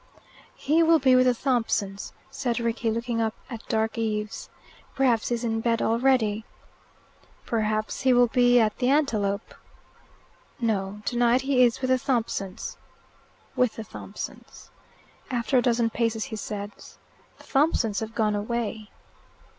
"He will be with the Thompsons," said Rickie, looking up at dark eaves. "Perhaps he's in bed already." "Perhaps he will be at The Antelope." "No. Tonight he is with the Thompsons." "With the Thompsons." After a dozen paces he said, "The Thompsons have gone away."